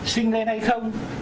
sinh lên hay không